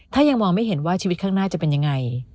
ถ้ายังมองไม่เห็นว่าชีวิตข้างหน้าจะเป็นยังไง